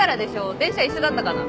電車一緒だったかな。